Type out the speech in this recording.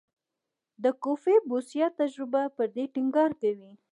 د کوفي بوسیا تجربه پر دې ټینګار کوي.